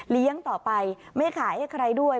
ต่อไปไม่ขายให้ใครด้วย